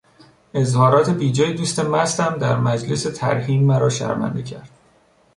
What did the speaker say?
اظهارات بیجای دوست مستم در مجلس ترحیم مرا شرمنده کرد.